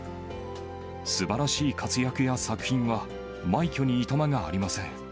すばらしい活躍や作品は、枚挙にいとまがありません。